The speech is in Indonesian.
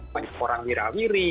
banyak orang wira wiri